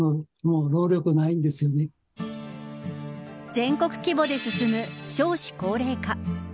全国規模で進む少子高齢化。